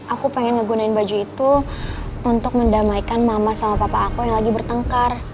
aku pengen ngegunain baju itu untuk mendamaikan mama sama papa aku yang lagi bertengkar